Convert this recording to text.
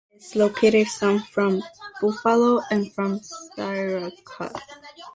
Brighton is located some from Buffalo, and from Syracuse.